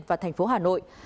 và thành phố hà nội